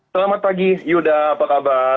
selamat pagi yuda apa kabar